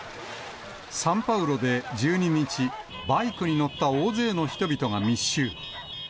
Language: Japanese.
サンパウロで１２日、バイクに乗った大勢の人々が密集。